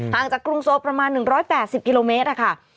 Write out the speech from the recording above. จากกรุงโซประมาณ๑๘๐กิโลเมตรค่ะ